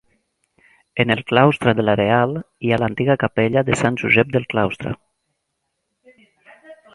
En el claustre de la Real hi ha l'antiga capella de Sant Josep del Claustre.